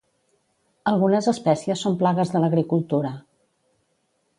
Algunes espècies són plagues de l'agricultura.